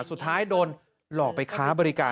สุดท้ายโดนหลอกไปค้าบริการ